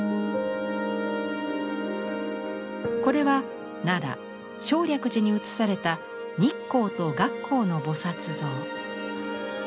これは奈良・正暦寺に移された日光と月光の菩像。